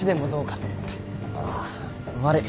ああ悪い。